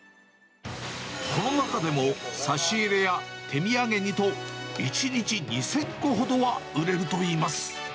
コロナ禍でも差し入れや手土産にと、１日２０００個ほどは売れるといいます。